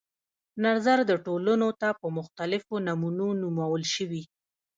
نظر د ټولنو ته په مختلفو نمونو نومول شوي.